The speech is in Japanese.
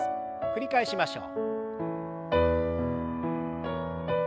繰り返しましょう。